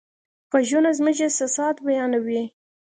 غږونه زموږ احساسات بیانوي.